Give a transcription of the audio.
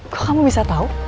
kok kamu bisa tahu